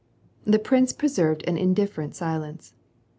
The prince preserved an indifferent silence.